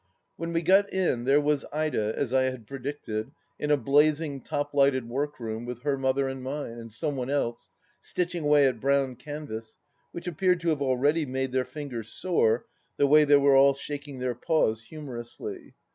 When we got in, there was Ida, as I had predicted, in a blazing top lighted work room, with her mother and mine, and some one else, stitching away at brown canvas which appeared to have already made their fingers sore, the way they were all shaking their paws humorously.